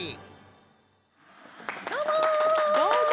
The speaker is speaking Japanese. どうも！